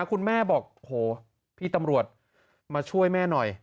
คุณแม่บอกโหพี่ตำรวจมาช่วยแม่หน่อย